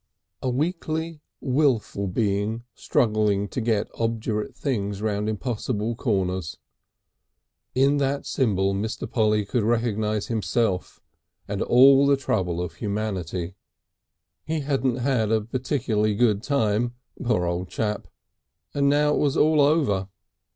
A weakly wilful being struggling to get obdurate things round impossible corners in that symbol Mr. Polly could recognise himself and all the trouble of humanity. He hadn't had a particularly good time, poor old chap, and now it was all over.